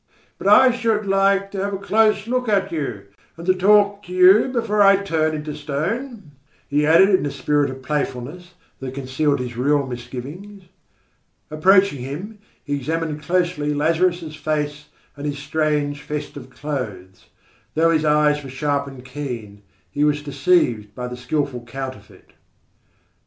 But I should like to have a close look at you, and to talk to you before I turn into stone," he added in a spirit of playfulness that concealed his real misgivings. Approaching him, he examined closely Lazarus' face and his strange festive clothes. Though his eyes were sharp and keen, he was deceived by the skilful counterfeit.